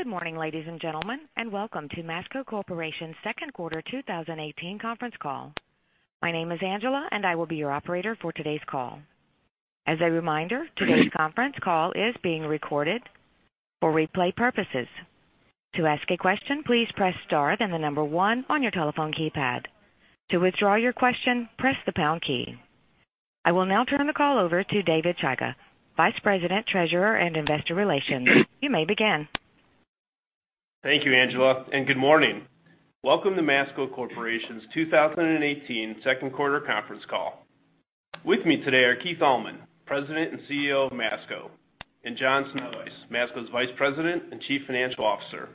Good morning, ladies and gentlemen, and welcome to Masco Corporation's second quarter 2018 conference call. My name is Angela, and I will be your operator for today's call. As a reminder, today's conference call is being recorded for replay purposes. To ask a question, please press star, then the number one on your telephone keypad. To withdraw your question, press the pound key. I will now turn the call over to David Chaika, vice president, treasurer, and investor relations. You may begin. Thank you, Angela, and good morning. Welcome to Masco Corporation's 2018 second quarter conference call. With me today are Keith Allman, president and CEO of Masco, and John Sznewajs, Masco's vice president and chief financial officer.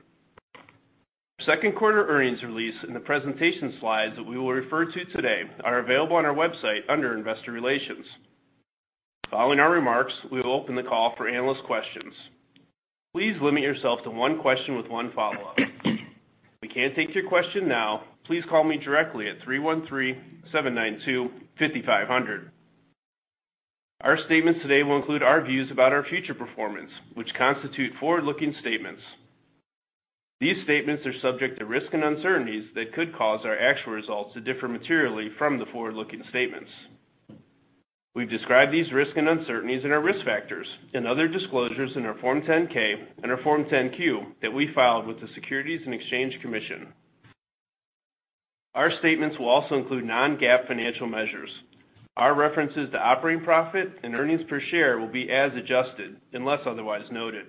Second quarter earnings release and the presentation slides that we will refer to today are available on our website under investor relations. Following our remarks, we will open the call for analyst questions. Please limit yourself to one question with one follow-up. If we can't take your question now, please call me directly at 313-792-5500. Our statements today will include our views about our future performance, which constitute forward-looking statements. These statements are subject to risks and uncertainties that could cause our actual results to differ materially from the forward-looking statements. We've described these risks and uncertainties in our risk factors, in other disclosures in our Form 10-K and our Form 10-Q that we filed with the Securities and Exchange Commission. Our statements will also include non-GAAP financial measures. Our references to operating profit and earnings per share will be as adjusted, unless otherwise noted.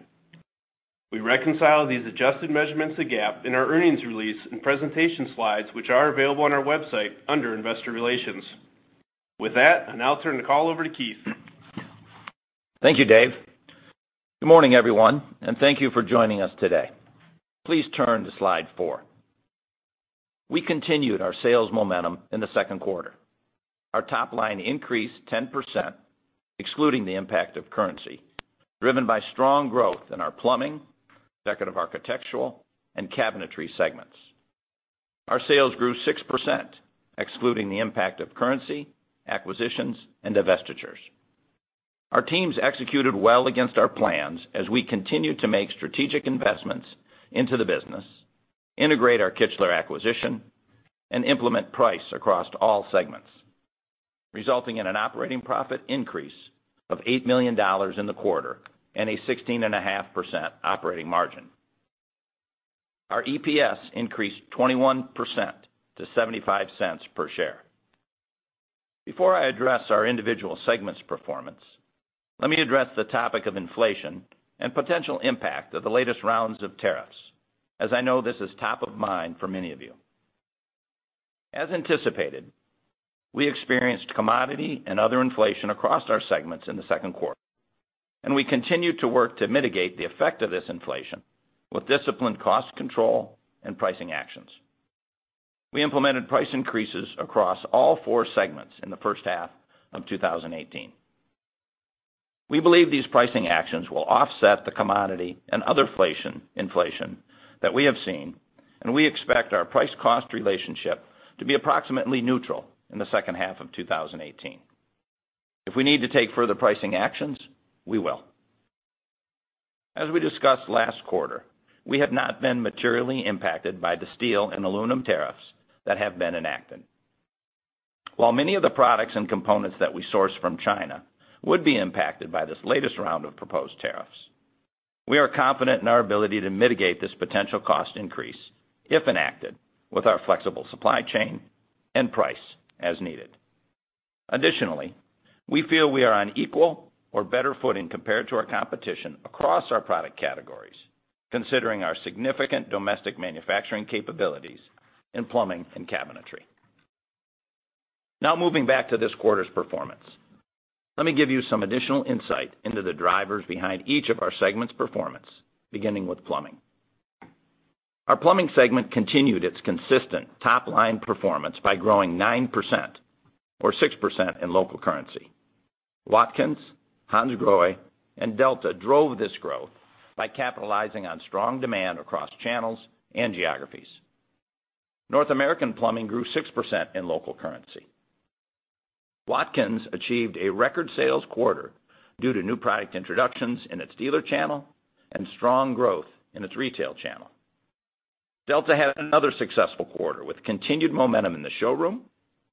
We reconcile these adjusted measurements to GAAP in our earnings release and presentation slides, which are available on our website under investor relations. With that, I'll now turn the call over to Dave. Thank you, Dave. Good morning, everyone, and thank you for joining us today. Please turn to slide four. We continued our sales momentum in the second quarter. Our top line increased 10%, excluding the impact of currency, driven by strong growth in our plumbing, decorative architectural, and cabinetry segments. Our sales grew 6%, excluding the impact of currency, acquisitions, and divestitures. Our teams executed well against our plans as we continued to make strategic investments into the business, integrate our Kichler acquisition, and implement price across all segments, resulting in an operating profit increase of $8 million in the quarter and a 16.5% operating margin. Our EPS increased 21% to $0.75 per share. Before I address our individual segments performance, let me address the topic of inflation and potential impact of the latest rounds of tariffs, as I know this is top of mind for many of you. As anticipated, we experienced commodity and other inflation across our segments in the second quarter. We continued to work to mitigate the effect of this inflation with disciplined cost control and pricing actions. We implemented price increases across all four segments in the first half of 2018. We believe these pricing actions will offset the commodity and other inflation that we have seen. We expect our price cost relationship to be approximately neutral in the second half of 2018. If we need to take further pricing actions, we will. As we discussed last quarter, we have not been materially impacted by the steel and aluminum tariffs that have been enacted. While many of the products and components that we source from China would be impacted by this latest round of proposed tariffs, we are confident in our ability to mitigate this potential cost increase if enacted with our flexible supply chain and price as needed. Additionally, we feel we are on equal or better footing compared to our competition across our product categories, considering our significant domestic manufacturing capabilities in plumbing and cabinetry. Now, moving back to this quarter's performance. Let me give you some additional insight into the drivers behind each of our segments' performance, beginning with plumbing. Our plumbing segment continued its consistent top-line performance by growing 9% or 6% in local currency. Watkins, Hansgrohe, and Delta drove this growth by capitalizing on strong demand across channels and geographies. North American plumbing grew 6% in local currency. Watkins achieved a record sales quarter due to new product introductions in its dealer channel and strong growth in its retail channel. Delta had another successful quarter with continued momentum in the showroom,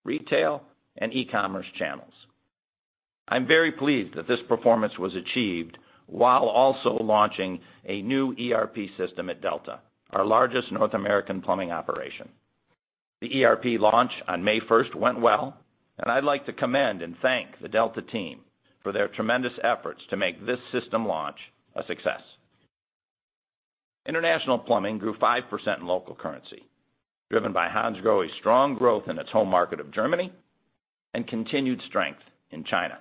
retail, and e-commerce channels. I'm very pleased that this performance was achieved while also launching a new ERP system at Delta, our largest North American plumbing operation. The ERP launch on May 1st went well. I'd like to commend and thank the Delta team for their tremendous efforts to make this system launch a success. International plumbing grew 5% in local currency, driven by Hansgrohe's strong growth in its home market of Germany and continued strength in China.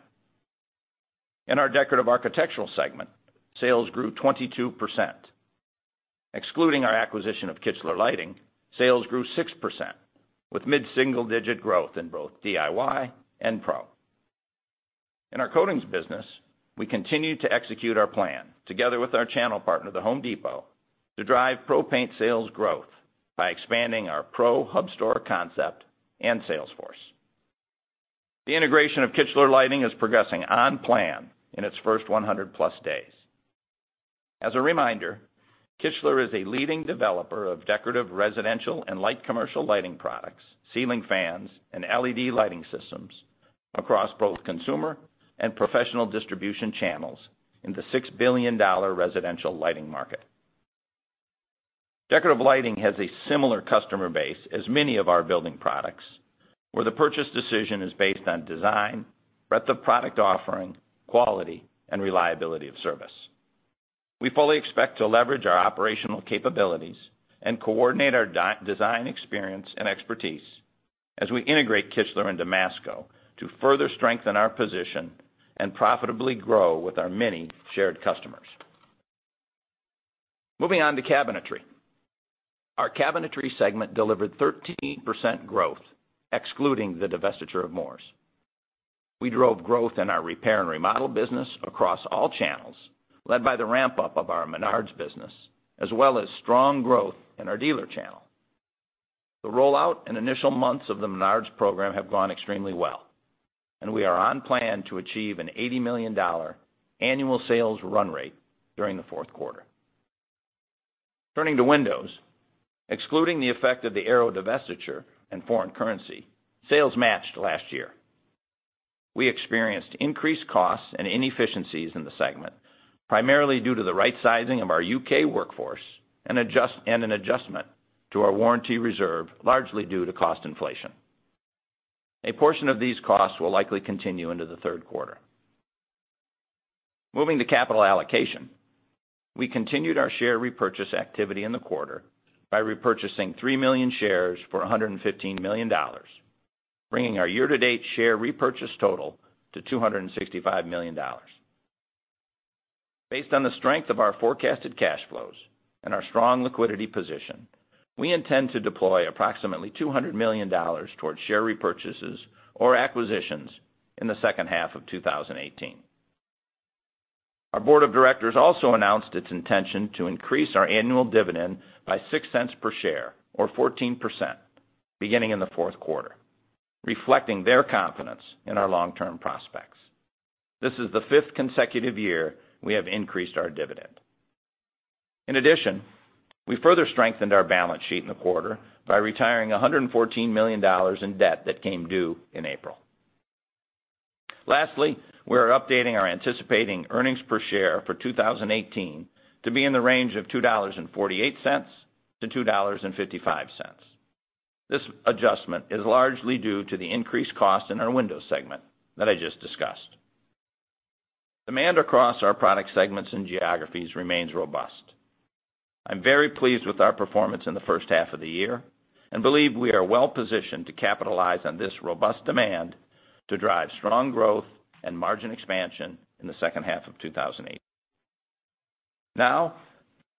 In our decorative architectural segment, sales grew 22%. Excluding our acquisition of Kichler Lighting, sales grew 6%, with mid-single-digit growth in both DIY and pro. In our coatings business, we continued to execute our plan together with our channel partner, The Home Depot, to drive pro paint sales growth by expanding our pro hub store concept and sales force. The integration of Kichler Lighting is progressing on plan in its first 100-plus days. As a reminder, Kichler is a leading developer of decorative, residential, and light commercial lighting products, ceiling fans, and LED lighting systems across both consumer and professional distribution channels in the $6 billion residential lighting market. Decorative lighting has a similar customer base as many of our building products, where the purchase decision is based on design, breadth of product offering, quality, and reliability of service. We fully expect to leverage our operational capabilities and coordinate our design experience and expertise as we integrate Kichler into Masco to further strengthen our position and profitably grow with our many shared customers. Moving on to cabinetry. Our cabinetry segment delivered 13% growth, excluding the divestiture of Moores. We drove growth in our repair and remodel business across all channels, led by the ramp-up of our Menards business, as well as strong growth in our dealer channel. The rollout and initial months of the Menards program have gone extremely well, and we are on plan to achieve an $80 million annual sales run rate during the fourth quarter. Turning to windows. Excluding the effect of the Arrow divestiture and foreign currency, sales matched last year. We experienced increased costs and inefficiencies in the segment, primarily due to the right sizing of our U.K. workforce and an adjustment to our warranty reserve, largely due to cost inflation. A portion of these costs will likely continue into the third quarter. Moving to capital allocation. We continued our share repurchase activity in the quarter by repurchasing 3 million shares for $115 million, bringing our year-to-date share repurchase total to $265 million. Based on the strength of our forecasted cash flows and our strong liquidity position, we intend to deploy approximately $200 million towards share repurchases or acquisitions in the second half of 2018. Our board of directors also announced its intention to increase our annual dividend by $0.06 per share or 14%, beginning in the fourth quarter, reflecting their confidence in our long-term prospects. This is the fifth consecutive year we have increased our dividend. In addition, we further strengthened our balance sheet in the quarter by retiring $114 million in debt that came due in April. Lastly, we are updating our anticipating earnings per share for 2018 to be in the range of $2.48-$2.55. This adjustment is largely due to the increased cost in our windows segment that I just discussed. Demand across our product segments and geographies remains robust. I'm very pleased with our performance in the first half of the year and believe we are well positioned to capitalize on this robust demand to drive strong growth and margin expansion in the second half of 2018. Now,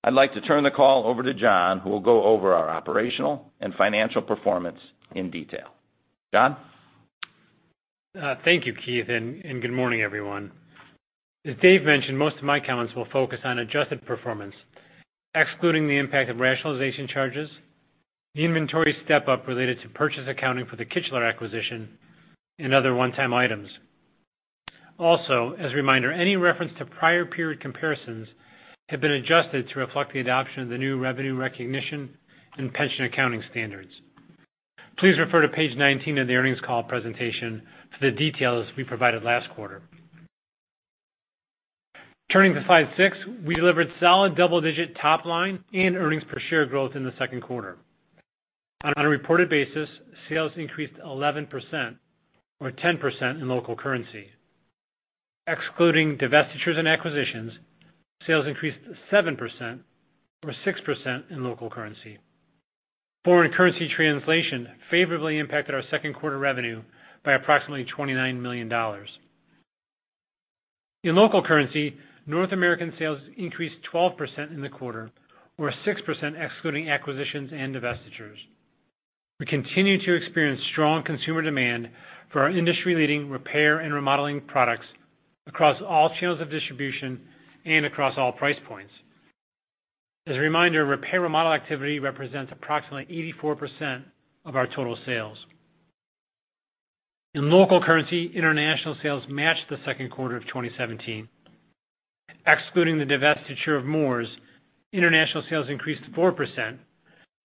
I'd like to turn the call over to John, who will go over our operational and financial performance in detail. John? Thank you, Keith, and good morning, everyone. As Dave mentioned, most of my comments will focus on adjusted performance, excluding the impact of rationalization charges, the inventory step-up related to purchase accounting for the Kichler acquisition and other one-time items. Also, as a reminder, any reference to prior period comparisons have been adjusted to reflect the adoption of the new revenue recognition and pension accounting standards. Please refer to page 19 of the earnings call presentation for the details we provided last quarter. Turning to slide six, we delivered solid double-digit top-line and earnings per share growth in the second quarter. On a reported basis, sales increased 11%, or 10% in local currency. Excluding divestitures and acquisitions, sales increased 7%, or 6% in local currency. Foreign currency translation favorably impacted our second quarter revenue by approximately $29 million. In local currency, North American sales increased 12% in the quarter, or 6% excluding acquisitions and divestitures. We continue to experience strong consumer demand for our industry-leading repair and remodeling products across all channels of distribution and across all price points. As a reminder, repair and remodel activity represents approximately 84% of our total sales. In local currency, international sales matched the second quarter of 2017. Excluding the divestiture of Moores, international sales increased 4%,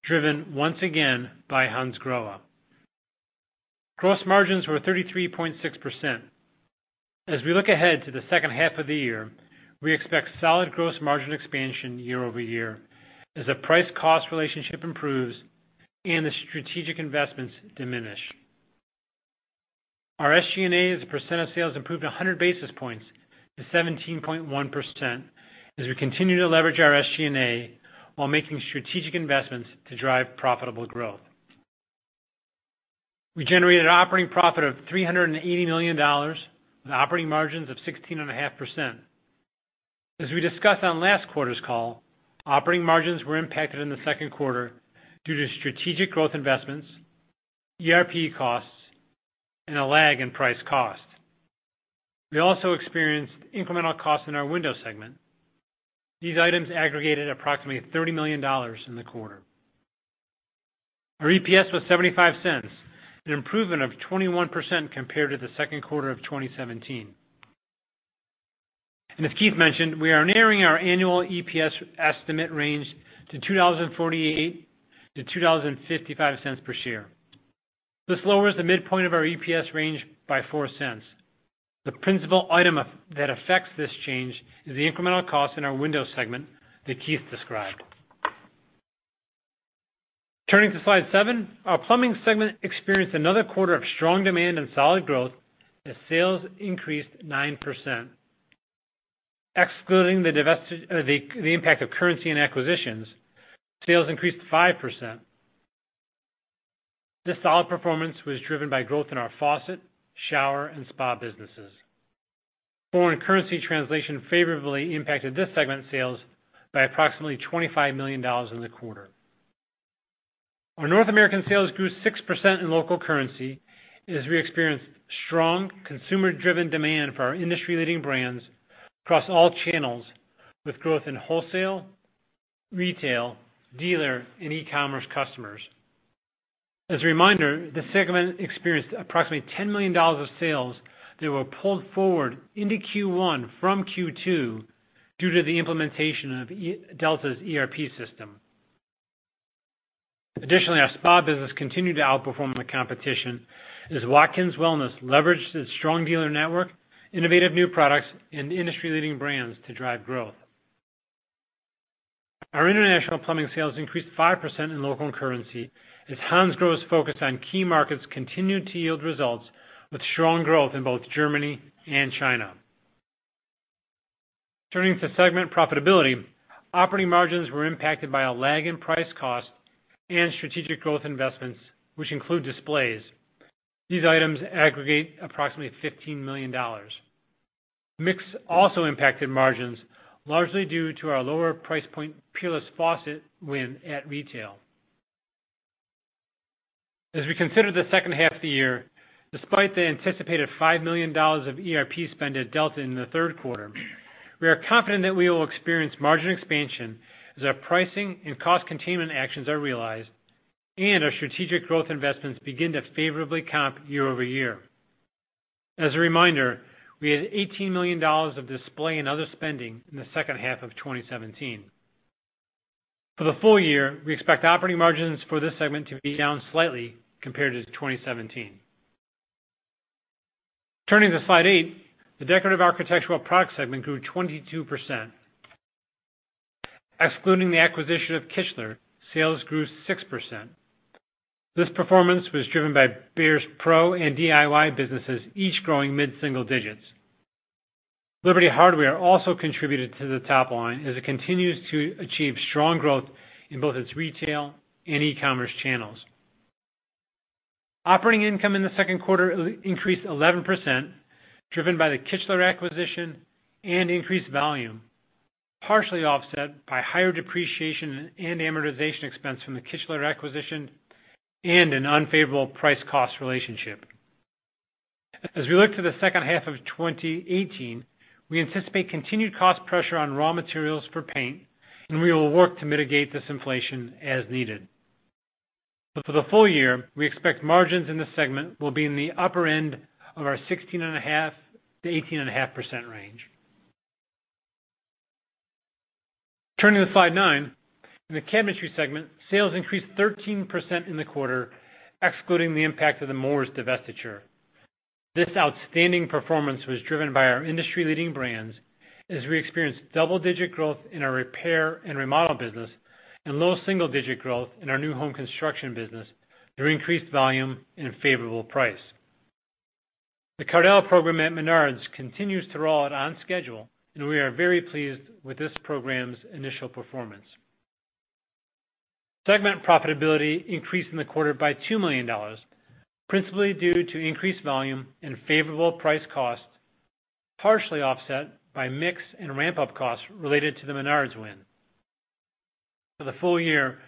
driven once again by Hansgrohe. Gross margins were 33.6%. As we look ahead to the second half of the year, we expect solid gross margin expansion year-over-year as the price-cost relationship improves and the strategic investments diminish. Our SG&A as a percent of sales improved 100 basis points to 17.1% as we continue to leverage our SG&A while making strategic investments to drive profitable growth. We generated operating profit of $380 million with operating margins of 16.5%. As we discussed on last quarter's call, operating margins were impacted in the second quarter due to strategic growth investments, ERP costs, and a lag in price cost. We also experienced incremental costs in our windows segment. These items aggregated approximately $30 million in the quarter. Our EPS was $0.75, an improvement of 21% compared to the second quarter of 2017. As Keith mentioned, we are narrowing our annual EPS estimate range to $2.48-$2.55 per share. This lowers the midpoint of our EPS range by $0.04. The principal item that affects this change is the incremental cost in our window segment that Keith described. Turning to slide seven, our plumbing segment experienced another quarter of strong demand and solid growth as sales increased 9%. Excluding the impact of currency and acquisitions, sales increased 5%. This solid performance was driven by growth in our faucet, shower, and spa businesses. Foreign currency translation favorably impacted this segment's sales by approximately $25 million in the quarter. Our North American sales grew 6% in local currency as we experienced strong consumer-driven demand for our industry-leading brands across all channels with growth in wholesale, retail, dealer, and e-commerce customers. As a reminder, this segment experienced approximately $10 million of sales that were pulled forward into Q1 from Q2 due to the implementation of Delta's ERP system. Additionally, our spa business continued to outperform the competition as Watkins Wellness leveraged its strong dealer network, innovative new products, and industry-leading brands to drive growth. Our international plumbing sales increased 5% in local currency as Hansgrohe's focus on key markets continued to yield results with strong growth in both Germany and China. Turning to segment profitability, operating margins were impacted by a lag in price cost and strategic growth investments, which include displays. These items aggregate approximately $15 million. Mix also impacted margins, largely due to our lower price point Peerless faucet win at retail. As we consider the second half of the year, despite the anticipated $5 million of ERP spend at Delta in the third quarter, we are confident that we will experience margin expansion as our pricing and cost containment actions are realized and our strategic growth investments begin to favorably comp year-over-year. As a reminder, we had $18 million of display and other spending in the second half of 2017. For the full year, we expect operating margins for this segment to be down slightly compared to 2017. Turning to slide eight, the decorative architectural products segment grew 22%. Excluding the acquisition of Kichler, sales grew 6%. This performance was driven by Behr's pro and DIY businesses, each growing mid-single digits. Liberty Hardware also contributed to the top line as it continues to achieve strong growth in both its retail and e-commerce channels. Operating income in the second quarter increased 11%, driven by the Kichler acquisition and increased volume, partially offset by higher depreciation and amortization expense from the Kichler acquisition and an unfavorable price-cost relationship. As we look to the second half of 2018, we anticipate continued cost pressure on raw materials for paint. We will work to mitigate this inflation as needed. For the full year, we expect margins in this segment will be in the upper end of our 16.5%-18.5% range. Turning to slide nine. In the cabinetry segment, sales increased 13% in the quarter, excluding the impact of the Moores' divestiture. This outstanding performance was driven by our industry-leading brands as we experienced double-digit growth in our repair and remodel business and low single-digit growth in our new home construction business through increased volume and favorable price. The Cardell program at Menards continues to roll out on schedule. We are very pleased with this program's initial performance. Segment profitability increased in the quarter by $2 million, principally due to increased volume and favorable price cost, partially offset by mix and ramp-up costs related to the Menards win. For the full year,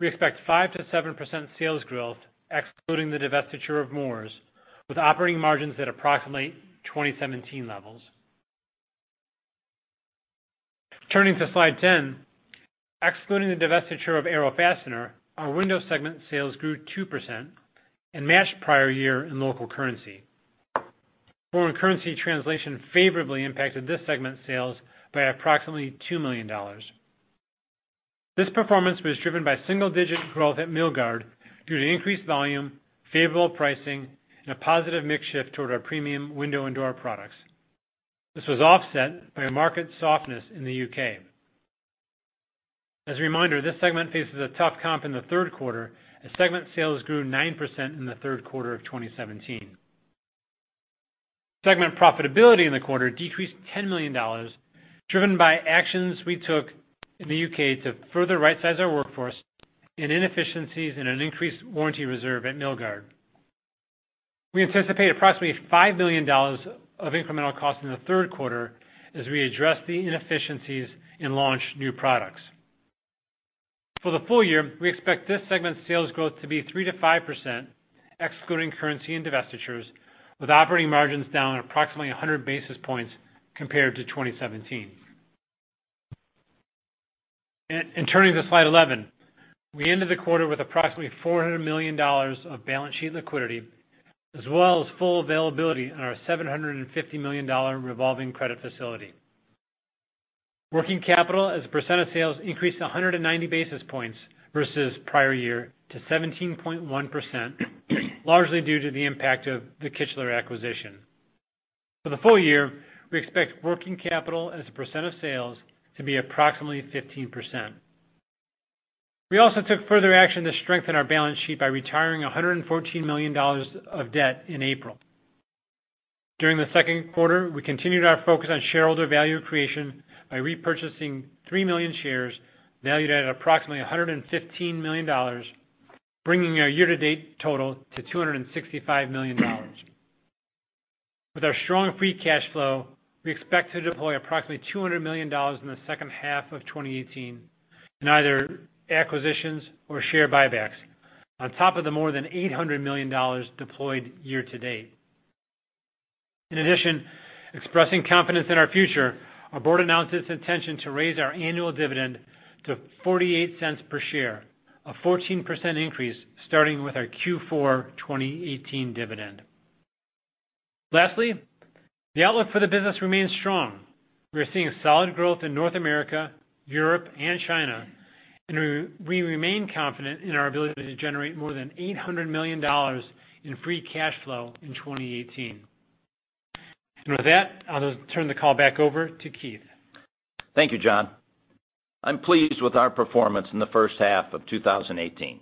we expect 5%-7% sales growth, excluding the divestiture of Moores', with operating margins at approximately 2017 levels. Turning to slide 10. Excluding the divestiture of Arrow Fastener, our window segment sales grew 2% and matched prior year in local currency. Foreign currency translation favorably impacted this segment's sales by approximately $2 million. This performance was driven by single-digit growth at Milgard due to increased volume, favorable pricing, and a positive mix shift toward our premium window and door products. This was offset by a market softness in the U.K. As a reminder, this segment faces a tough comp in the third quarter as segment sales grew 9% in the third quarter of 2017. Segment profitability in the quarter decreased $10 million, driven by actions we took in the U.K. to further rightsize our workforce and inefficiencies in an increased warranty reserve at Milgard. We anticipate approximately $5 million of incremental cost in the third quarter as we address the inefficiencies and launch new products. For the full year, we expect this segment's sales growth to be 3%-5%, excluding currency and divestitures, with operating margins down approximately 100 basis points compared to 2017. Turning to slide 11. We ended the quarter with approximately $400 million of balance sheet liquidity, as well as full availability on our $750 million revolving credit facility. Working capital as a percent of sales increased 190 basis points versus prior year to 17.1%, largely due to the impact of the Kichler acquisition. For the full year, we expect working capital as a percent of sales to be approximately 15%. We also took further action to strengthen our balance sheet by retiring $114 million of debt in April. During the second quarter, we continued our focus on shareholder value creation by repurchasing 3 million shares valued at approximately $115 million, bringing our year-to-date total to $265 million. With our strong free cash flow, we expect to deploy approximately $200 million in the second half of 2018 in either acquisitions or share buybacks, on top of the more than $800 million deployed year to date. In addition, expressing confidence in our future, our board announced its intention to raise our annual dividend to $0.48 per share, a 14% increase starting with our Q4 2018 dividend. Lastly, the outlook for the business remains strong. We are seeing solid growth in North America, Europe, and China, and we remain confident in our ability to generate more than $800 million in free cash flow in 2018. With that, I'll turn the call back over to Keith. Thank you, John. I'm pleased with our performance in the first half of 2018.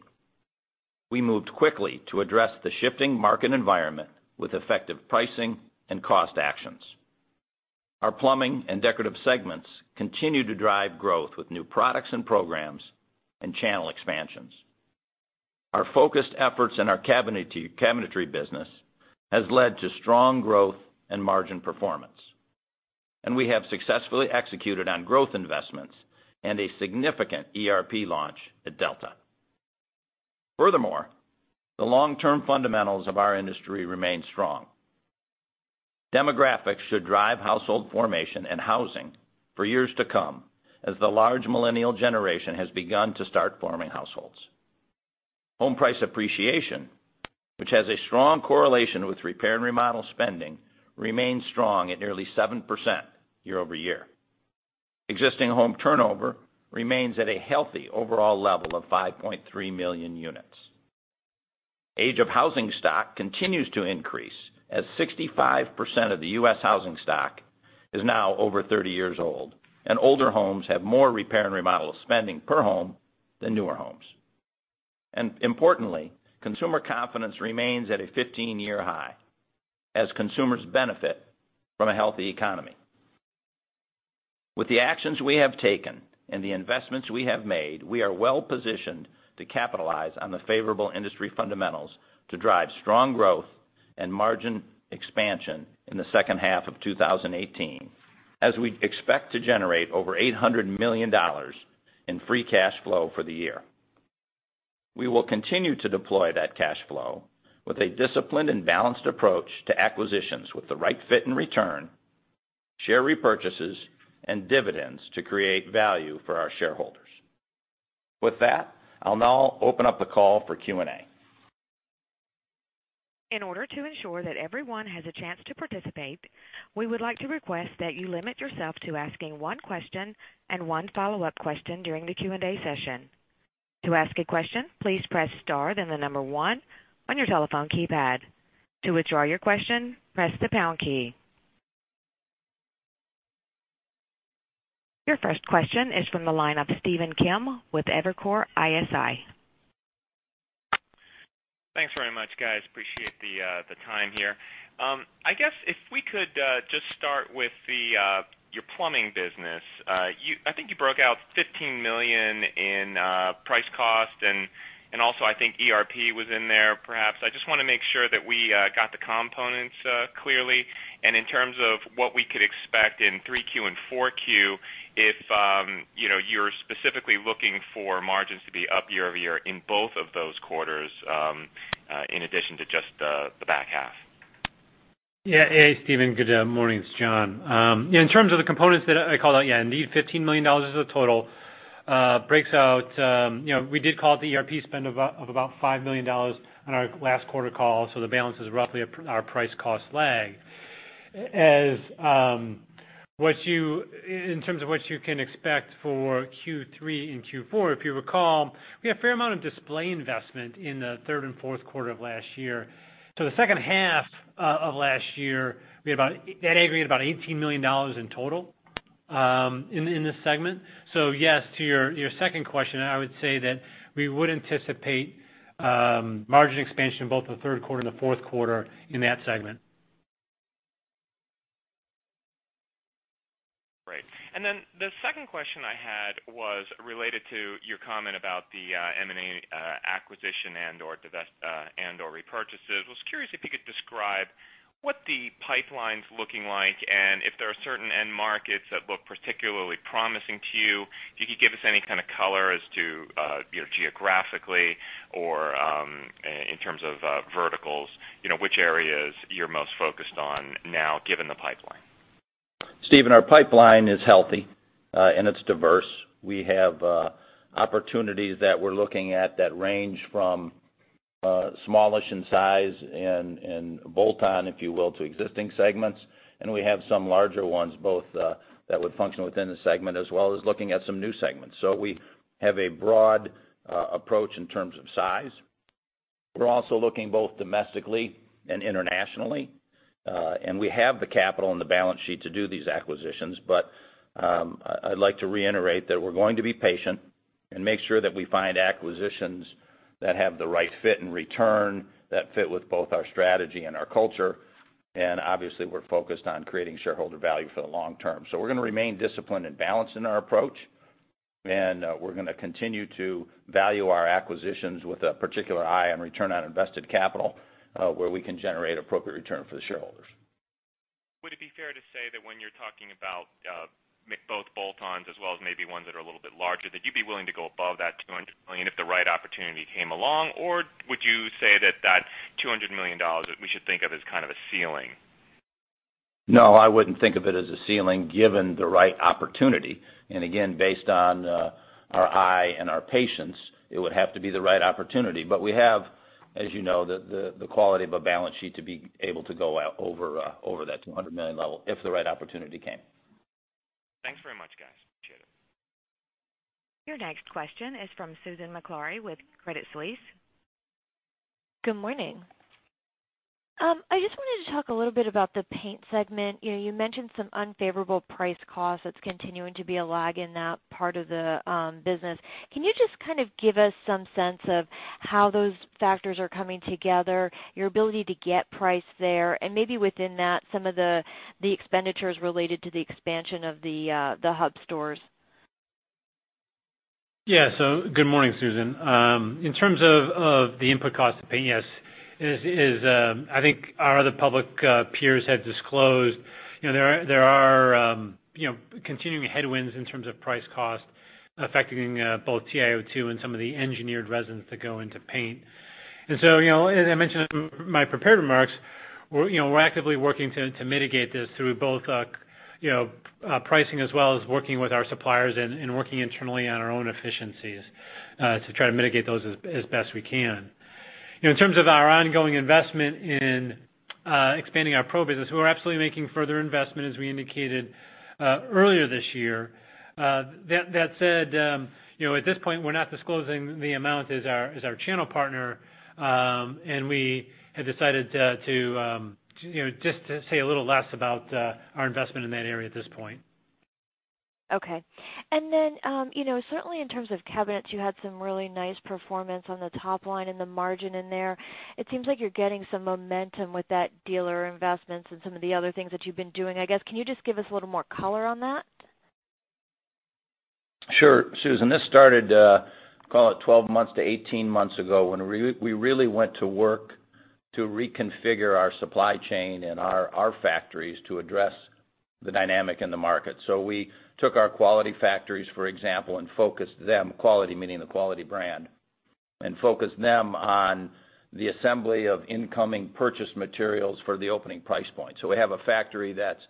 We moved quickly to address the shifting market environment with effective pricing and cost actions. Our plumbing and decorative segments continue to drive growth with new products and programs and channel expansions. Our focused efforts in our cabinetry business has led to strong growth and margin performance, and we have successfully executed on growth investments and a significant ERP launch at Delta. Furthermore, the long-term fundamentals of our industry remain strong. Demographics should drive household formation and housing for years to come as the large millennial generation has begun to start forming households. Home price appreciation, which has a strong correlation with repair and remodel spending, remains strong at nearly 7% year-over-year. Existing home turnover remains at a healthy overall level of 5.3 million units. Age of housing stock continues to increase as 65% of the U.S. housing stock is now over 30 years old, and older homes have more repair and remodel spending per home than newer homes. Importantly, consumer confidence remains at a 15-year high as consumers benefit from a healthy economy. With the actions we have taken and the investments we have made, we are well-positioned to capitalize on the favorable industry fundamentals to drive strong growth and margin expansion in the second half of 2018 as we expect to generate over $800 million in free cash flow for the year. We will continue to deploy that cash flow with a disciplined and balanced approach to acquisitions with the right fit and return, share repurchases, and dividends to create value for our shareholders. With that, I'll now open up the call for Q&A. In order to ensure that everyone has a chance to participate, we would like to request that you limit yourself to asking one question and one follow-up question during the Q&A session. To ask a question, please press star then the number one on your telephone keypad. To withdraw your question, press the pound key. Your first question is from the line of Stephen Kim with Evercore ISI. Thanks very much, guys. Appreciate the time here. I guess if we could just start with your plumbing business. I think you broke out $15 million in price cost and also I think ERP was in there perhaps. I just want to make sure that we got the components clearly, and in terms of what we could expect in 3Q and 4Q if you're specifically looking for margins to be up year-over-year in both of those quarters in addition to just the back half. Yeah. Hey, Stephen. Good morning. It's John. In terms of the components that I called out, yeah, indeed, $15 million is the total. We did call it the ERP spend of about $5 million on our last quarter call, so the balance is roughly our price cost lag. In terms of what you can expect for Q3 and Q4, if you recall, we had a fair amount of display investment in the third and fourth quarter of last year. The second half of last year, that aggregate about $18 million in total in this segment. Yes, to your second question, I would say that we would anticipate margin expansion in both the third quarter and the fourth quarter in that segment. Great. The second question I had was related to your comment about the M&A acquisition and/or repurchases. Was curious if you could describe what the pipeline's looking like and if there are certain end markets that look particularly promising to you. If you could give us any kind of color as to geographically or in terms of verticals, which areas you're most focused on now given the pipeline? Stephen, our pipeline is healthy, and it's diverse. We have opportunities that we're looking at that range from smallish in size and bolt-on, if you will, to existing segments. We have some larger ones, both that would function within the segment as well as looking at some new segments. We have a broad approach in terms of size. We're also looking both domestically and internationally. We have the capital and the balance sheet to do these acquisitions. I'd like to reiterate that we're going to be patient and make sure that we find acquisitions that have the right fit and return, that fit with both our strategy and our culture. Obviously, we're focused on creating shareholder value for the long term. We're going to remain disciplined and balanced in our approach, and we're going to continue to value our acquisitions with a particular eye on return on invested capital, where we can generate appropriate return for the shareholders. Would it be fair to say that when you're talking about both bolt-ons as well as maybe ones that are a little bit larger, that you'd be willing to go above that $200 million if the right opportunity came along? Would you say that that $200 million, we should think of as kind of a ceiling? No, I wouldn't think of it as a ceiling, given the right opportunity. Again, based on our eye and our patience, it would have to be the right opportunity. We have, as you know, the quality of a balance sheet to be able to go out over that $200 million level if the right opportunity came. Thanks very much, guys. Appreciate it. Your next question is from Susan Maklari with Credit Suisse. Good morning. I just wanted to talk a little bit about the paint segment. You mentioned some unfavorable price costs that's continuing to be a lag in that part of the business. Can you just kind of give us some sense of how those factors are coming together, your ability to get price there, and maybe within that, some of the expenditures related to the expansion of the hub stores? Good morning, Susan. In terms of the input cost of paint, yes. I think our other public peers have disclosed there are continuing headwinds in terms of price cost affecting both TiO2 and some of the engineered resins that go into paint. As I mentioned in my prepared remarks, we're actively working to mitigate this through both pricing as well as working with our suppliers and working internally on our own efficiencies, to try to mitigate those as best we can. In terms of our ongoing investment in expanding our pro business, we're absolutely making further investment, as we indicated earlier this year. That said, at this point, we're not disclosing the amount as our channel partner. We have decided just to say a little less about our investment in that area at this point. Okay. Then, certainly in terms of cabinets, you had some really nice performance on the top line and the margin in there. It seems like you're getting some momentum with that dealer investments and some of the other things that you've been doing, I guess. Can you just give us a little more color on that? Sure, Susan. This started, call it 12 months to 18 months ago, when we really went to work to reconfigure our supply chain and our factories to address the dynamic in the market. We took our quality factories, for example, and focused them, quality meaning the quality brand, and focused them on the assembly of incoming purchase materials for the opening price point. We have a factory that's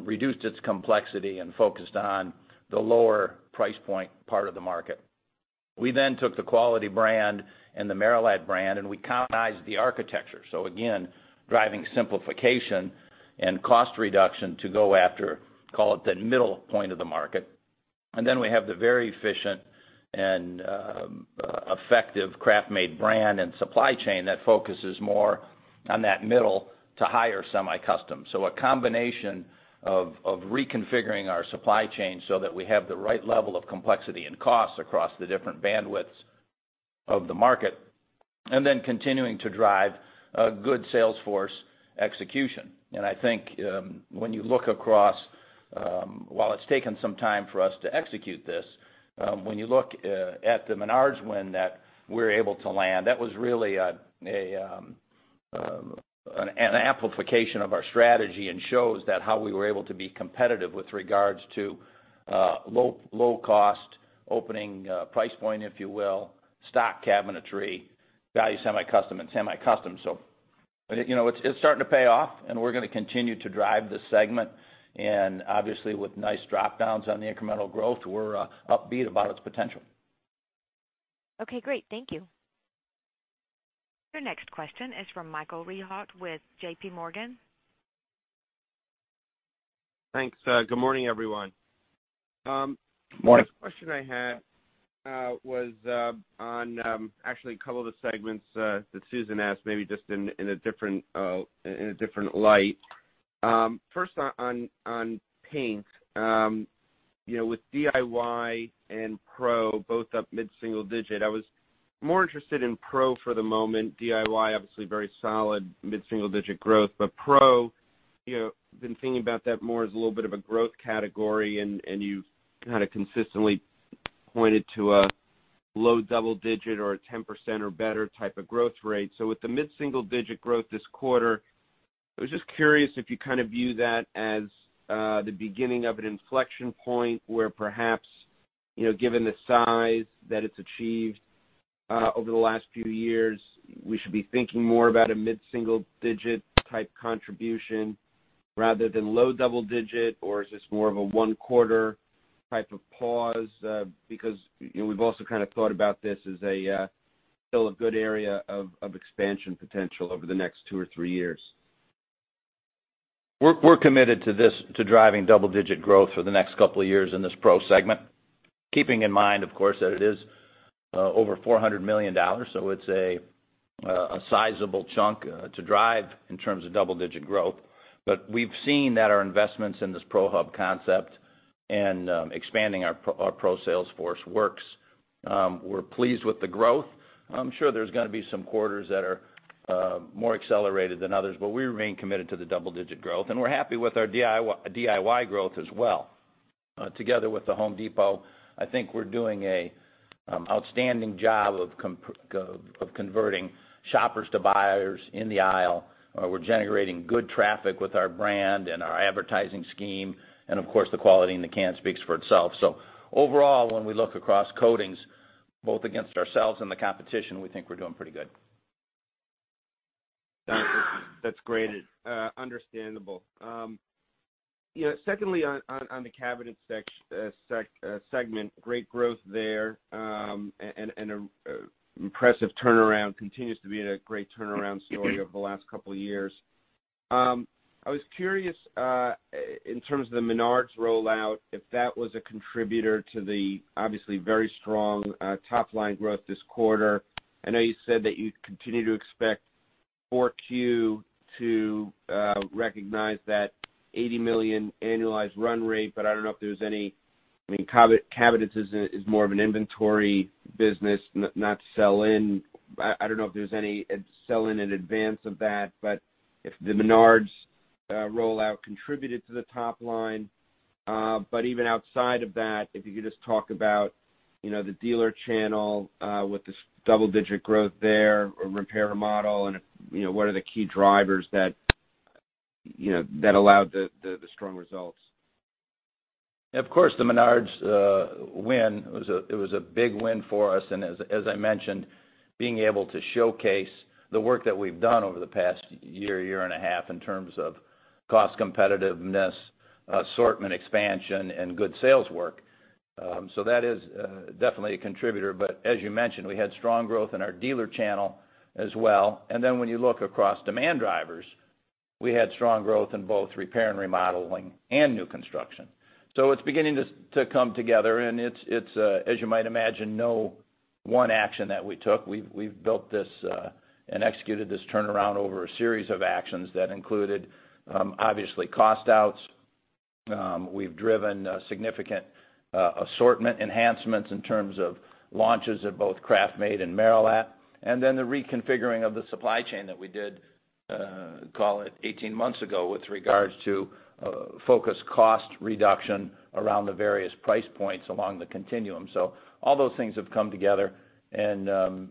reduced its complexity and focused on the lower price point part of the market. We then took the quality brand and the Merillat brand, and we commoditized the architecture. Again, driving simplification and cost reduction to go after, call it, the middle point of the market. Then we have the very efficient and effective KraftMaid brand and supply chain that focuses more on that middle to higher semi-custom. A combination of reconfiguring our supply chain so that we have the right level of complexity and cost across the different bandwidths of the market, then continuing to drive a good sales force execution. I think when you look across, while it's taken some time for us to execute this, when you look at the Menards win that we were able to land, that was really an amplification of our strategy and shows that how we were able to be competitive with regards to low cost, opening price point, if you will, stock cabinetry, value semi-custom, and semi-custom. It's starting to pay off, and we're going to continue to drive this segment. Obviously, with nice drop-downs on the incremental growth, we're upbeat about its potential. Okay, great. Thank you. Your next question is from Michael Rehaut with JPMorgan. Thanks. Good morning, everyone. Morning. First question I had was on actually a couple of the segments that Susan asked, maybe just in a different light. First on paint. With DIY and Pro both up mid-single-digit, I was more interested in Pro for the moment. DIY, obviously very solid mid-single-digit growth. Pro, been thinking about that more as a little bit of a growth category, and you kind of consistently pointed to a low double-digit or a 10% or better type of growth rate. With the mid-single-digit growth this quarter, I was just curious if you kind of view that as the beginning of an inflection point where perhaps, given the size that it's achieved over the last few years, we should be thinking more about a mid-single-digit type contribution rather than low double-digit, or is this more of a one-quarter type of pause? We've also kind of thought about this as still a good area of expansion potential over the next two or three years. We're committed to this, to driving double-digit growth for the next couple of years in this Pro segment, keeping in mind, of course, that it is over $400 million. It's a sizable chunk to drive in terms of double-digit growth. We've seen that our investments in this Pro hub concept and expanding our Pro sales force works. We're pleased with the growth. I'm sure there's going to be some quarters that are more accelerated than others, we remain committed to the double-digit growth, and we're happy with our DIY growth as well. Together with The Home Depot, I think we're doing a outstanding job of converting shoppers to buyers in the aisle. We're generating good traffic with our brand and our advertising scheme, and of course, the quality in the can speaks for itself. Overall, when we look across coatings, both against ourselves and the competition, we think we're doing pretty good. That's great. Understandable. Secondly, on the cabinet segment, great growth there, and impressive turnaround. Continues to be a great turnaround story over the last couple of years. I was curious, in terms of the Menards rollout, if that was a contributor to the obviously very strong top line growth this quarter. I know you said that you continue to expect more Q to recognize that $80 million annualized run rate, but I don't know if there's any Cabinets is more of an inventory business, not sell-in. I don't know if there's any sell-in in advance of that, if the Menards rollout contributed to the top line. Even outside of that, if you could just talk about the dealer channel with this double digit growth there, repair and remodel, and what are the key drivers that allowed the strong results. Of course, the Menards win, it was a big win for us. As I mentioned, being able to showcase the work that we've done over the past year and a half in terms of cost competitiveness, assortment expansion, and good sales work. That is definitely a contributor. As you mentioned, we had strong growth in our dealer channel as well. When you look across demand drivers, we had strong growth in both repair and remodeling and new construction. It's beginning to come together, and it's, as you might imagine, no one action that we took. We've built this and executed this turnaround over a series of actions that included, obviously cost outs. We've driven significant assortment enhancements in terms of launches at both KraftMaid and Merillat. The reconfiguring of the supply chain that we did, call it 18 months ago, with regards to focused cost reduction around the various price points along the continuum. All those things have come together and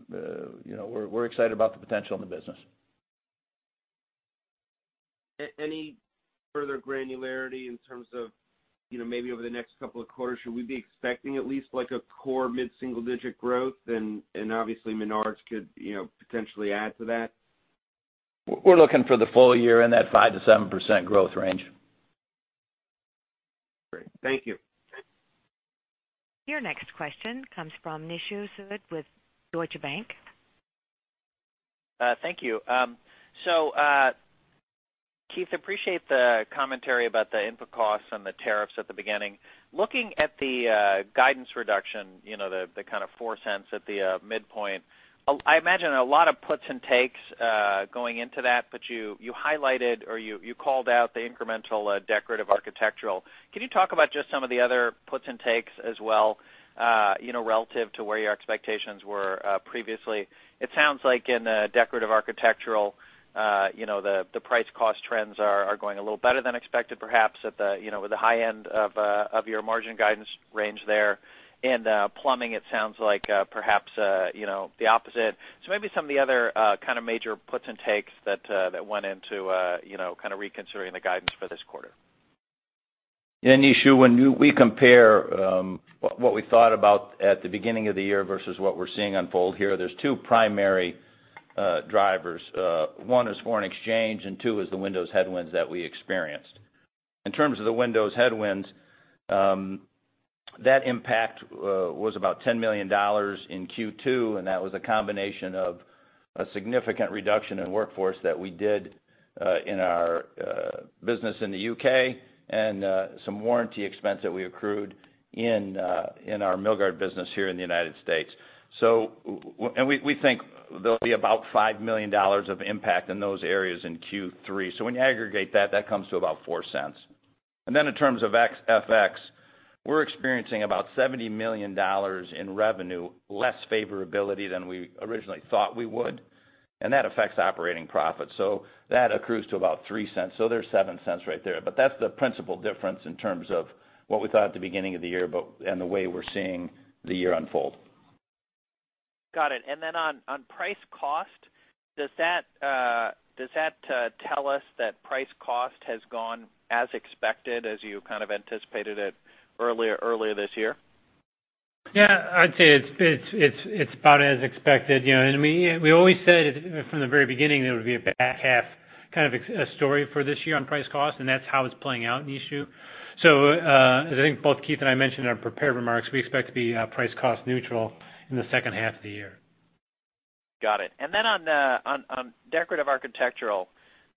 we're excited about the potential in the business. Any further granularity in terms of maybe over the next couple of quarters, should we be expecting at least like a core mid-single digit growth? Obviously Menards could potentially add to that. We're looking for the full year in that 5%-7% growth range. Great. Thank you. Your next question comes from Nishu Sood with Deutsche Bank. Thank you. Keith, appreciate the commentary about the input costs and the tariffs at the beginning. Looking at the guidance reduction, the kind of $0.04 at the midpoint. I imagine a lot of puts and takes going into that, but you highlighted or you called out the incremental decorative architectural. Can you talk about just some of the other puts and takes as well, relative to where your expectations were previously? It sounds like in the decorative architectural, the price cost trends are going a little better than expected, perhaps at the high end of your margin guidance range there. In plumbing, it sounds like perhaps the opposite. Maybe some of the other kind of major puts and takes that went into kind of reconsidering the guidance for this quarter. Nishu, when we compare what we thought about at the beginning of the year versus what we're seeing unfold here, there's two primary drivers. One is foreign exchange, and two is the windows headwinds that we experienced. In terms of the windows headwinds, that impact was about $10 million in Q2, and that was a combination of a significant reduction in workforce that we did in our business in the U.K. and some warranty expense that we accrued in our Milgard business here in the United States. We think there'll be about $5 million of impact in those areas in Q3. When you aggregate that comes to about $0.04. In terms of FX, we're experiencing about $70 million in revenue, less favorability than we originally thought we would, and that affects operating profit. That accrues to about $0.03. There's $0.07 right there. That's the principal difference in terms of what we thought at the beginning of the year and the way we're seeing the year unfold. Got it. On price cost, does that tell us that price cost has gone as expected, as you kind of anticipated it earlier this year? Yeah, I'd say it's about as expected. We always said it from the very beginning, that it would be a back half kind of a story for this year on price cost, and that's how it's playing out, Nishu. As I think both Keith and I mentioned in our prepared remarks, we expect to be price cost neutral in the second half of the year. Got it. On Decorative Architectural,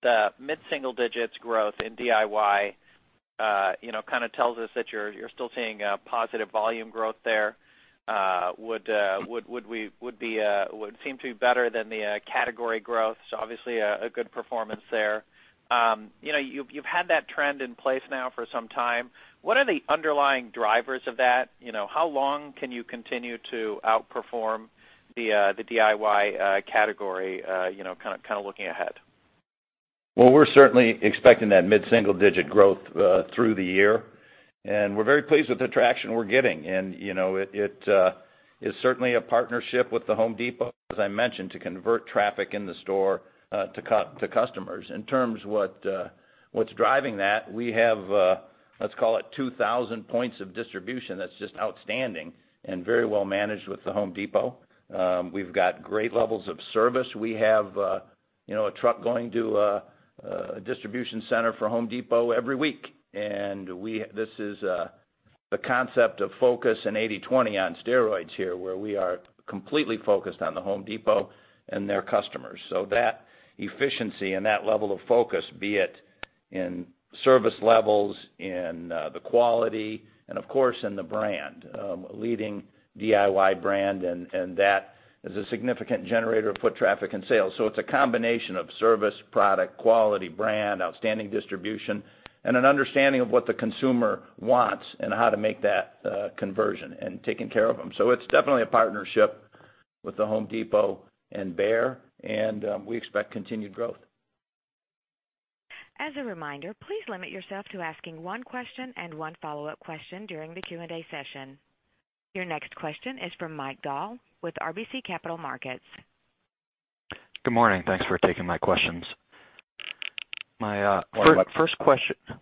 the mid-single digits growth in DIY kind of tells us that you're still seeing a positive volume growth there. Would seem to be better than the category growth. Obviously, a good performance there. You've had that trend in place now for some time. What are the underlying drivers of that? How long can you continue to outperform the DIY category, kind of looking ahead? Well, we're certainly expecting that mid-single digit growth through the year, and we're very pleased with the traction we're getting. It is certainly a partnership with The Home Depot, as I mentioned, to convert traffic in the store to customers. In terms of what's driving that, we have, let's call it, 2,000 points of distribution that's just outstanding and very well managed with The Home Depot. We've got great levels of service. We have a truck going to a distribution center for Home Depot every week, and this is the concept of focus and 80/20 on steroids here, where we are completely focused on The Home Depot and their customers. That efficiency and that level of focus, be it in service levels, in the quality, and of course in the brand, leading DIY brand, and that is a significant generator of foot traffic and sales. It's a combination of service, product, quality, brand, outstanding distribution, and an understanding of what the consumer wants and how to make that conversion and taking care of them. It's definitely a partnership with The Home Depot and Behr, we expect continued growth. As a reminder, please limit yourself to asking one question and one follow-up question during the Q&A session. Your next question is from Mike Dahl with RBC Capital Markets. Good morning. Thanks for taking my questions. Morning, Mike.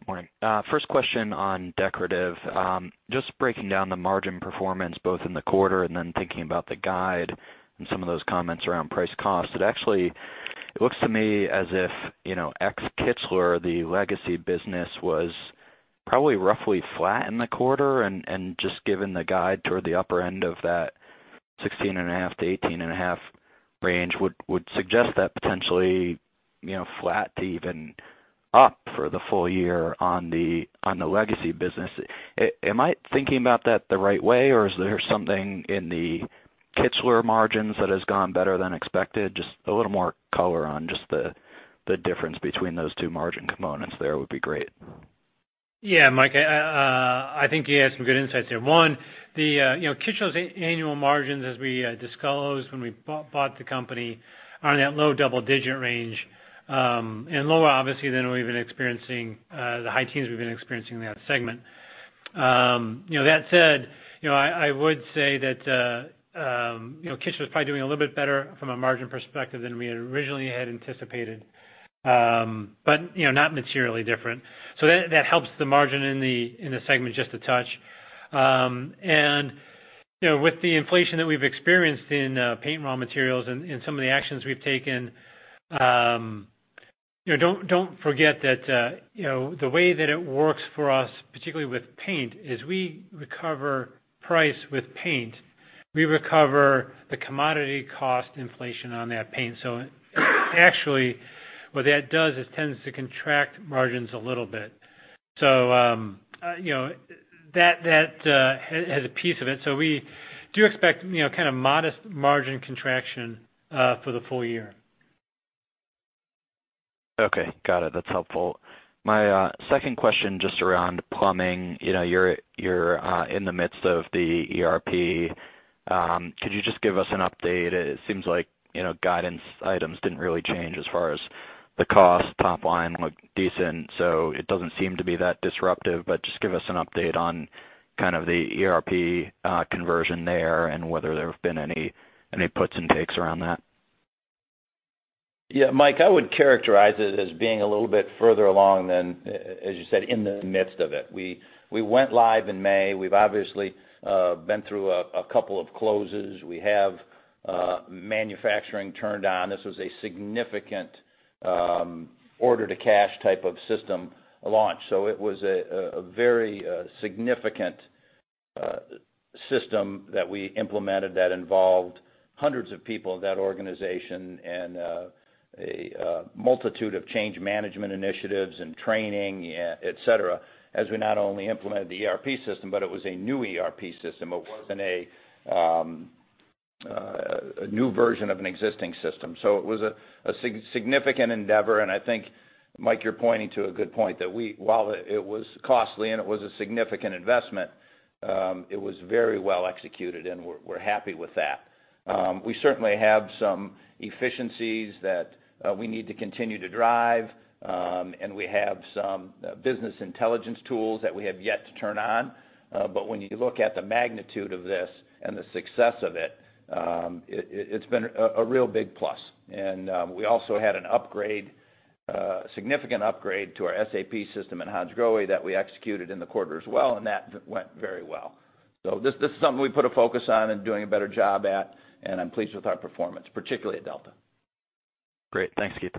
Morning. First question on Decorative. Just breaking down the margin performance both in the quarter and then thinking about the guide and some of those comments around price cost. It actually looks to me as if, ex Kichler, the legacy business was probably roughly flat in the quarter. Just given the guide toward the upper end of that 16.5%-18.5% range would suggest that potentially flat to even up for the full year on the legacy business. Am I thinking about that the right way, or is there something in the Kichler margins that has gone better than expected? Just a little more color on just the difference between those two margin components there would be great. Yeah, Mike, I think you have some good insights there. One, Kichler's annual margins, as we disclosed when we bought the company, are in that low double-digit range, and lower obviously than we've been experiencing the high teens we've been experiencing in that segment. That said, I would say that Kichler is probably doing a little bit better from a margin perspective than we originally had anticipated. Not materially different. That helps the margin in the segment just a touch. With the inflation that we've experienced in paint raw materials and some of the actions we've taken, don't forget that the way that it works for us, particularly with paint, is we recover price with paint. We recover the commodity cost inflation on that paint. Actually, what that does is tends to contract margins a little bit. That has a piece of it. We do expect kind of modest margin contraction for the full year. Okay, got it. That's helpful. My second question, just around plumbing. You're in the midst of the ERP. Could you just give us an update? It seems like guidance items didn't really change as far as the cost top line looked decent, it doesn't seem to be that disruptive. Just give us an update on kind of the ERP conversion there and whether there have been any puts and takes around that. Yeah, Mike, I would characterize it as being a little bit further along than, as you said, in the midst of it. We went live in May. We've obviously been through a couple of closes. We have manufacturing turned on. This was a significant order-to-cash type of system launch. It was a very significant system that we implemented that involved hundreds of people in that organization and a multitude of change management initiatives and training, et cetera, as we not only implemented the ERP system, but it was a new ERP system. It wasn't a new version of an existing system. It was a significant endeavor, and I think, Mike, you're pointing to a good point, that while it was costly and it was a significant investment, it was very well executed, and we're happy with that. We certainly have some efficiencies that we need to continue to drive. We have some business intelligence tools that we have yet to turn on. When you look at the magnitude of this and the success of it's been a real big plus. We also had an upgrade A significant upgrade to our SAP system in Hansgrohe that we executed in the quarter as well, and that went very well. This is something we put a focus on and doing a better job at, and I'm pleased with our performance, particularly at Delta. Great. Thanks, Keith.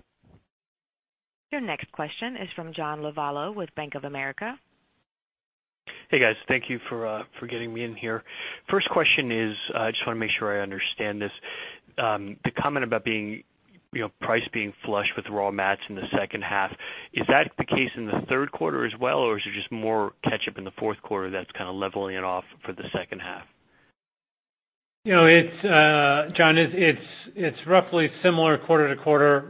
Your next question is from John Lovallo with Bank of America. Hey, guys. Thank you for getting me in here. First question is, I just want to make sure I understand this. The comment about price being flush with raw mats in the second half, is that the case in the third quarter as well, or is it just more catch up in the fourth quarter that's kind of leveling it off for the second half? John, it's roughly similar quarter to quarter.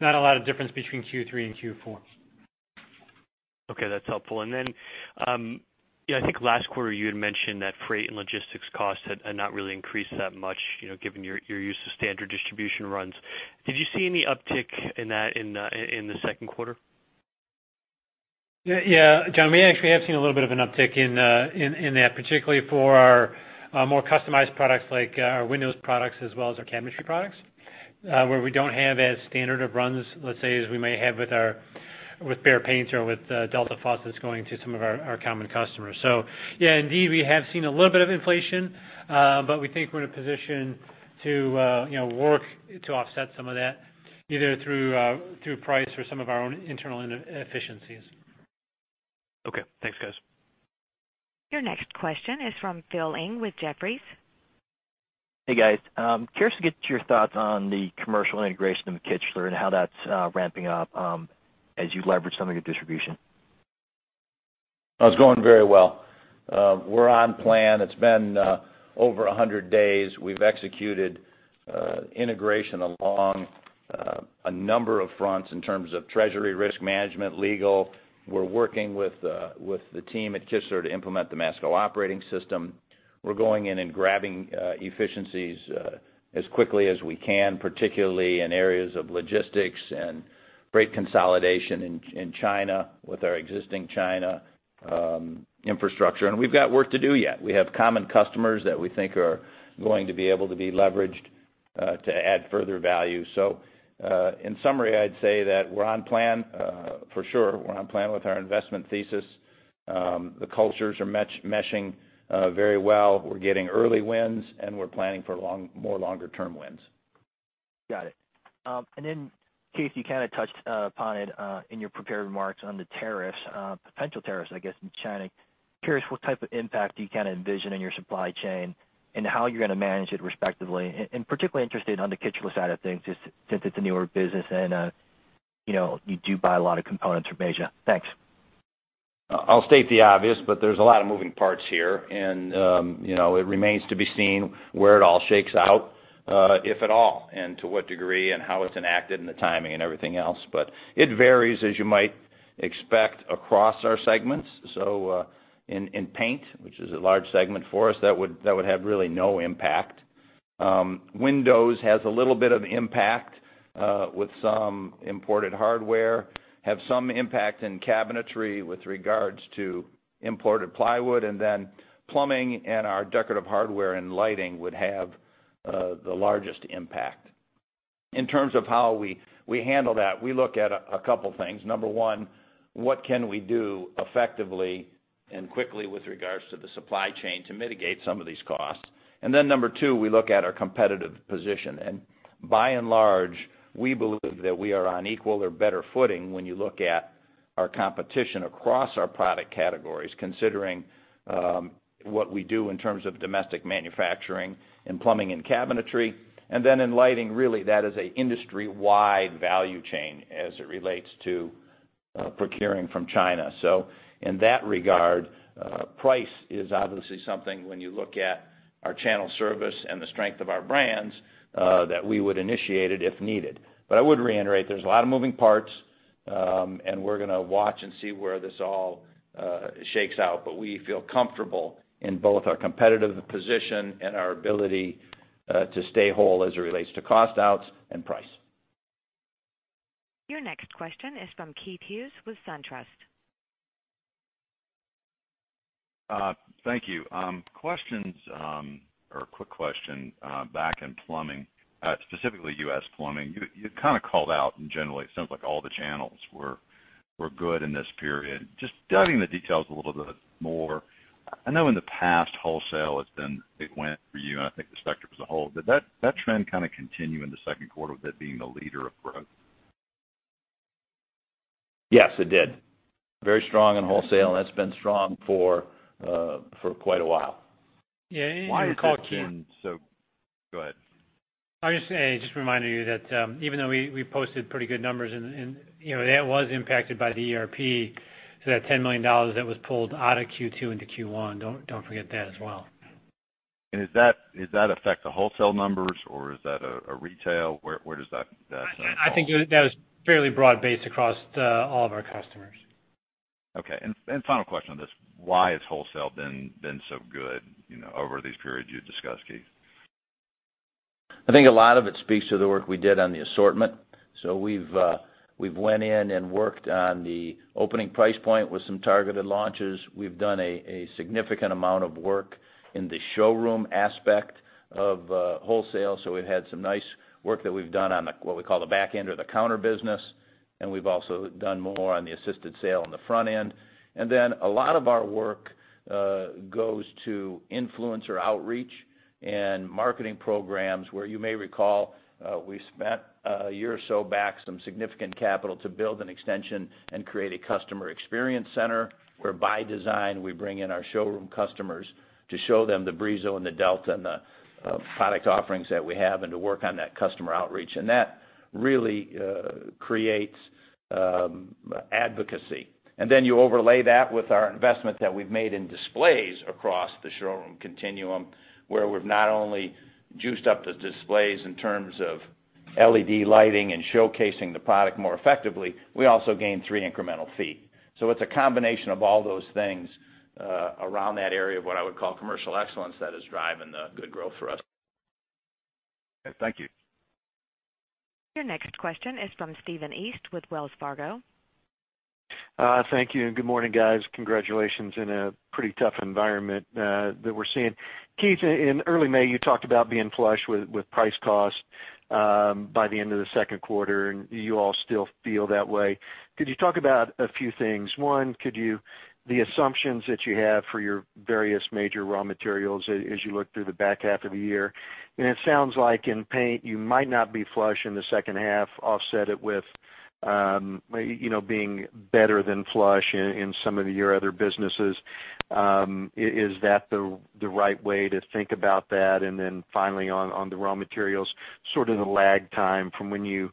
Not a lot of difference between Q3 and Q4. Okay, that's helpful. I think last quarter you had mentioned that freight and logistics costs had not really increased that much, given your use of standard distribution runs. Did you see any uptick in that in the second quarter? Yeah, John, we actually have seen a little bit of an uptick in that, particularly for our more customized products, like our windows products, as well as our chemistry products. Where we don't have as standard of runs, let's say, as we may have with Behr paints or with Delta faucets going to some of our common customers. Yeah, indeed, we have seen a little bit of inflation. We think we're in a position to work to offset some of that, either through price or some of our own internal inefficiencies. Okay, thanks guys. Your next question is from Philip Ng with Jefferies. Hey, guys. Curious to get your thoughts on the commercial integration of Kichler and how that's ramping up as you leverage some of your distribution. It's going very well. We're on plan. It's been over 100 days. We've executed integration along a number of fronts in terms of treasury, risk management, legal. We're working with the team at Kichler to implement the Masco operating system. We're going in and grabbing efficiencies as quickly as we can, particularly in areas of logistics and freight consolidation in China with our existing China infrastructure. We've got work to do yet. We have common customers that we think are going to be able to be leveraged to add further value. In summary, I'd say that we're on plan for sure. We're on plan with our investment thesis. The cultures are meshing very well. We're getting early wins, and we're planning for more longer term wins. Got it. Keith, you kind of touched upon it in your prepared remarks on the tariffs, potential tariffs, I guess, in China. Curious what type of impact do you kind of envision in your supply chain and how you're going to manage it respectively, and particularly interested on the Kichler side of things, just since it's a newer business and you do buy a lot of components from Asia. Thanks. I'll state the obvious, but there's a lot of moving parts here, and it remains to be seen where it all shakes out, if at all, and to what degree and how it's enacted and the timing and everything else. It varies, as you might expect, across our segments. In paint, which is a large segment for us, that would have really no impact. Windows has a little bit of impact with some imported hardware. Have some impact in cabinetry with regards to imported plywood. Plumbing and our decorative hardware and lighting would have the largest impact. In terms of how we handle that, we look at a couple things. Number 1, what can we do effectively and quickly with regards to the supply chain to mitigate some of these costs? Number 2, we look at our competitive position. By and large, we believe that we are on equal or better footing when you look at our competition across our product categories, considering what we do in terms of domestic manufacturing in plumbing and cabinetry. In lighting, really that is a industry-wide value chain as it relates to procuring from China. In that regard, price is obviously something when you look at our channel service and the strength of our brands, that we would initiate it if needed. I would reiterate, there's a lot of moving parts. We're going to watch and see where this all shakes out. We feel comfortable in both our competitive position and our ability to stay whole as it relates to cost outs and price. Your next question is from Keith Hughes with SunTrust. Thank you. Questions, or a quick question, back in plumbing, specifically U.S. plumbing. You kind of called out, generally it sounds like all the channels were good in this period. Just diving the details a little bit more, I know in the past wholesale it went for you, I think the spectrum as a whole. Did that trend kind of continue in the second quarter with it being the leader of growth? Yes, it did. Very strong in wholesale, that's been strong for quite a while. Go ahead. I was going to say, just a reminder to you that even though we posted pretty good numbers, that was impacted by the ERP, that $10 million that was pulled out of Q2 into Q1. Don't forget that as well. Does that affect the wholesale numbers, or is that a retail? Where does that fall? I think that was fairly broad-based across all of our customers. Okay, final question on this. Why has wholesale been so good over these periods you discussed, Keith? I think a lot of it speaks to the work we did on the assortment. we've We've went in and worked on the opening price point with some targeted launches. We've done a significant amount of work in the showroom aspect of wholesale. We've had some nice work that we've done on what we call the back end or the counter business, and we've also done more on the assisted sale on the front end. A lot of our work goes to influencer outreach and marketing programs, where you may recall, we spent a year or so back some significant capital to build an extension and create a customer experience center, where by design, we bring in our showroom customers to show them the Brizo and the Delta and the product offerings that we have, and to work on that customer outreach. That really creates advocacy. You overlay that with our investment that we've made in displays across the showroom continuum, where we've not only juiced up the displays in terms of LED lighting and showcasing the product more effectively, we also gained 3 incremental feet. It's a combination of all those things around that area of what I would call commercial excellence that is driving the good growth for us. Thank you. Your next question is from Stephen East with Wells Fargo. Thank you. Good morning, guys. Congratulations in a pretty tough environment that we're seeing. Keith, in early May, you talked about being flush with price cost by the end of the second quarter. Do you all still feel that way? Could you talk about a few things? One, the assumptions that you have for your various major raw materials as you look through the back half of the year. It sounds like in paint, you might not be flush in the second half, offset it with being better than flush in some of your other businesses. Is that the right way to think about that? Finally, on the raw materials, sort of the lag time from when you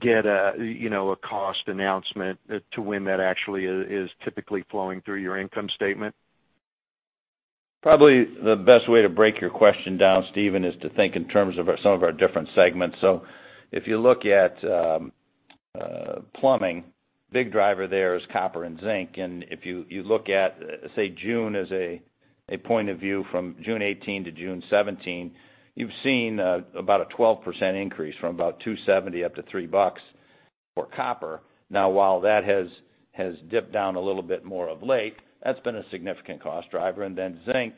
get a cost announcement to when that actually is typically flowing through your income statement. Probably the best way to break your question down, Stephen, is to think in terms of some of our different segments. If you look at plumbing, big driver there is copper and zinc. If you look at, say, June as a point of view from June 2018 to June 2017, you've seen about a 12% increase from about $2.70 up to $3 for copper. Now, while that has dipped down a little bit more of late, that's been a significant cost driver. Zinc,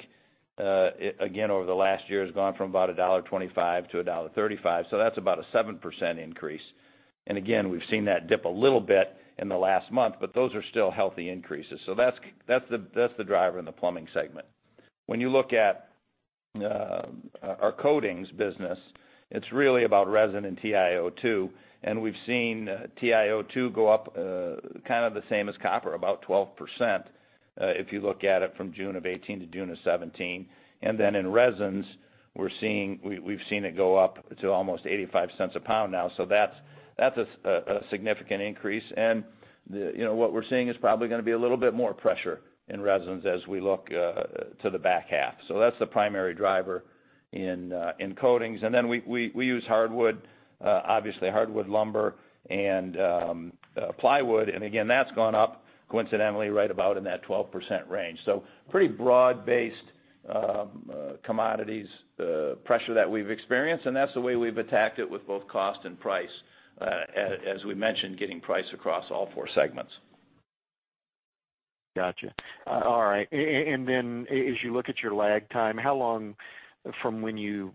again, over the last year has gone from about $1.25 to $1.35. That's about a 7% increase. Again, we've seen that dip a little bit in the last month, but those are still healthy increases. That's the driver in the plumbing segment. When you look at our coatings business, it's really about resin and TiO2. We've seen TiO2 go up kind of the same as copper, about 12%, if you look at it from June of 2018 to June of 2017. In resins, we've seen it go up to almost $0.85 a pound now. That's a significant increase. What we're seeing is probably going to be a little bit more pressure in resins as we look to the back half. That's the primary driver in coatings. We use hardwood, obviously hardwood lumber and plywood. Again, that's gone up coincidentally right about in that 12% range. Pretty broad-based commodities pressure that we've experienced. That's the way we've attacked it with both cost and price, as we mentioned, getting price across all four segments. Got you. All right. As you look at your lag time, how long from when you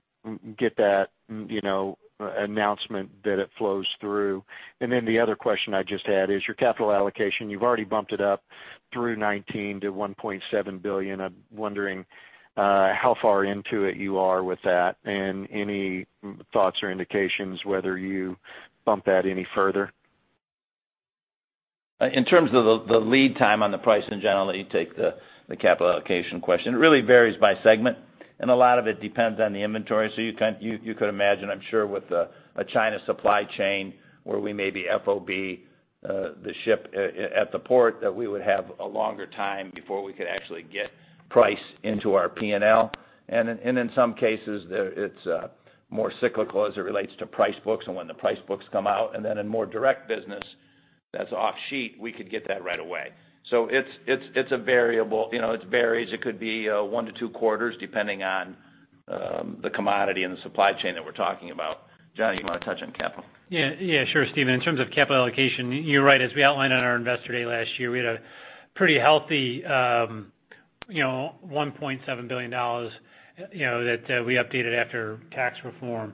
get that announcement that it flows through? The other question I just had is your capital allocation. You've already bumped it up through 2019 to $1.7 billion. I'm wondering how far into it you are with that. Any thoughts or indications whether you bump that any further. In terms of the lead time on the pricing, John will let you take the capital allocation question. It really varies by segment, and a lot of it depends on the inventory. You could imagine, I'm sure, with a China supply chain where we may be FOB the ship at the port, that we would have a longer time before we could actually get price into our P&L. In some cases, it's more cyclical as it relates to price books and when the price books come out. Then in more direct business that's off sheet, we could get that right away. It's a variable. It varies. It could be one to two quarters, depending on the commodity and the supply chain that we're talking about. John, you want to touch on capital? Sure, Stephen. In terms of capital allocation, you're right. As we outlined on our investor day last year, we had a pretty healthy $1.7 billion that we updated after tax reform.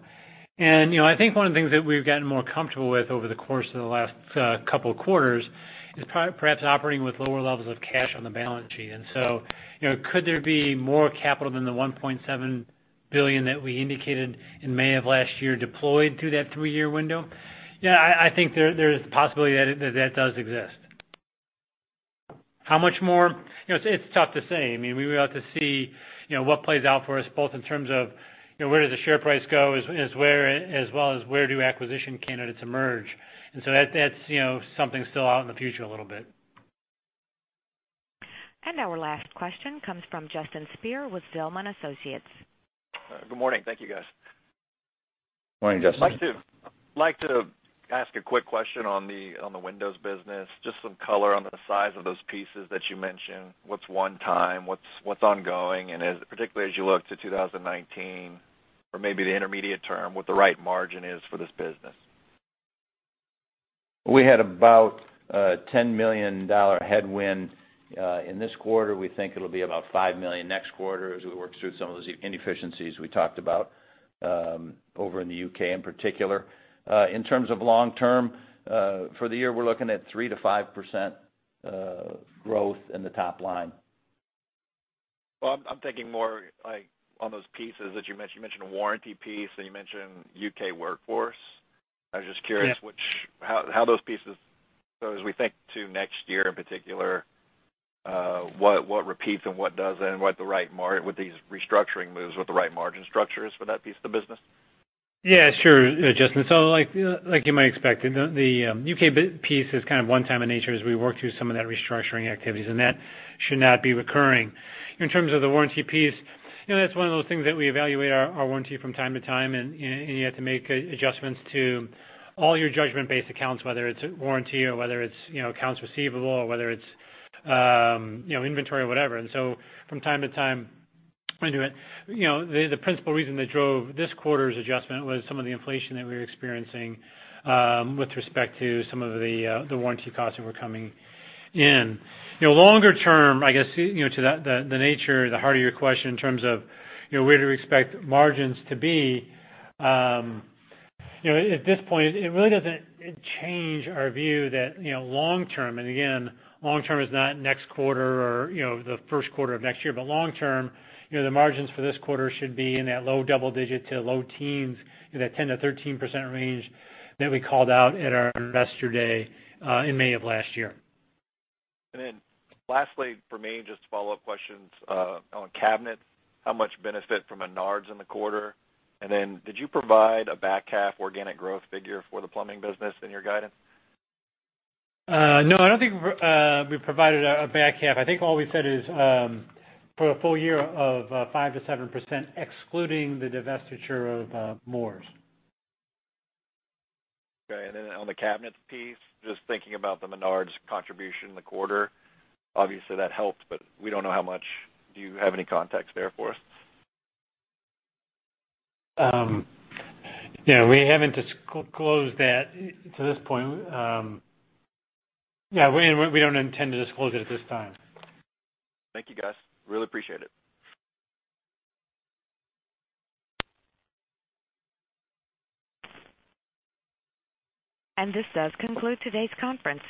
I think one of the things that we've gotten more comfortable with over the course of the last couple of quarters is perhaps operating with lower levels of cash on the balance sheet. Could there be more capital than the $1.7 billion that we indicated in May of last year deployed through that three-year window? I think there is the possibility that that does exist. How much more? It's tough to say. We have to see what plays out for us both in terms of where does the share price go, as well as where do acquisition candidates emerge. That's something still out in the future a little bit. Our last question comes from Justin Speer with Zelman & Associates. Good morning. Thank you, guys. Morning, Justin. I'd like to ask a quick question on the Windows business, just some color on the size of those pieces that you mentioned. What's one time? What's ongoing? Particularly as you look to 2019, or maybe the intermediate term, what the right margin is for this business. We had about a $10 million headwind in this quarter. We think it'll be about $5 million next quarter as we work through some of those inefficiencies we talked about over in the U.K. in particular. In terms of long term, for the year, we're looking at 3%-5% growth in the top line. Well, I'm thinking more on those pieces that you mentioned. You mentioned a warranty piece, and you mentioned U.K. workforce. I was just curious. Yeah how those pieces, as we think to next year in particular, what repeats and what doesn't, with these restructuring moves, what the right margin structure is for that piece of the business? Yeah, sure. Justin, like you might expect, the U.K. piece is kind of one-time in nature as we work through some of that restructuring activities, and that should not be recurring. In terms of the warranty piece, that's one of those things that we evaluate our warranty from time to time, and you have to make adjustments to all your judgment-based accounts, whether it's a warranty or whether it's accounts receivable or whether it's inventory or whatever. From time to time, we do it. The principal reason that drove this quarter's adjustment was some of the inflation that we were experiencing with respect to some of the warranty costs that were coming in. Longer term, I guess, to the nature or the heart of your question in terms of where to expect margins to be, at this point, it really doesn't change our view that long term, and again, long term is not next quarter or the first quarter of next year, but long term, the margins for this quarter should be in that low double-digit to low teens, in that 10%-13% range that we called out at our Investor Day in May of last year. Lastly for me, just follow-up questions on cabinets, how much benefit from Menards in the quarter. Did you provide a back half organic growth figure for the plumbing business in your guidance? No, I don't think we provided a back half. I think all we said is for a full year of 5%-7%, excluding the divestiture of Moores. Okay, on the cabinets piece, just thinking about the Menards contribution in the quarter, obviously that helped, but we don't know how much. Do you have any context there for us? We haven't disclosed that to this point. We don't intend to disclose it at this time. Thank you, guys. Really appreciate it. This does conclude today's conference.